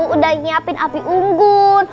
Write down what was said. udah nyiapin api unggun